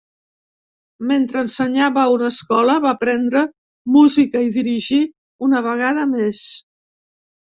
Mentre ensenyava a una escola, va aprendre música i dirigir una vegada més.